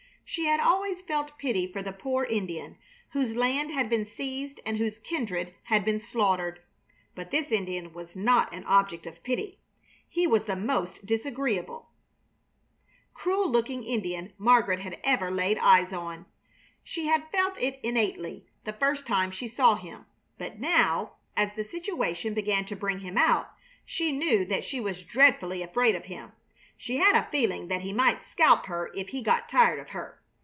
She had always felt pity for the poor Indian, whose land had been seized and whose kindred had been slaughtered. But this Indian was not an object of pity. He was the most disagreeable, cruel looking Indian Margaret had ever laid eyes on. She had felt it innately the first time she saw him, but now, as the situation began to bring him out, she knew that she was dreadfully afraid of him. She had a feeling that he might scalp her if he got tired of her.